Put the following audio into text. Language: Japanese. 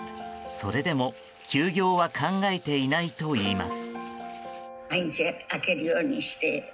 それでも休業は考えていないといいます。